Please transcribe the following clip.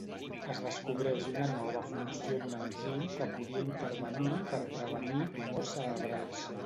Es descobreix una nova funció d'un enzim que podria intervenir per prevenir tumors cerebrals.